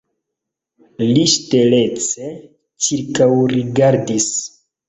Li ŝtelece ĉirkaŭrigardis.